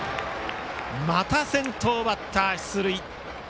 また先頭バッター出塁。